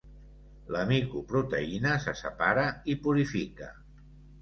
La micoproteïna se separa i purifica.